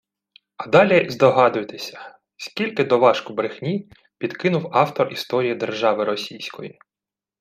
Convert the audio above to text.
А далі здогадуйтеся, скільки «доважку брехні» підкинув автор «Історії держави Російської»